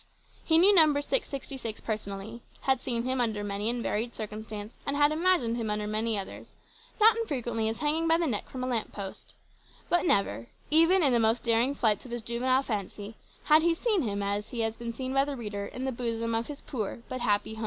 He knew Number 666 personally; had seen him under many and varied circumstance, and had imagined him under many others not unfrequently as hanging by the neck from a lamp post but never, even in the most daring flights of his juvenile fancy, had he seen him as he has been seen by the reader in the bosom of his poor but happy home.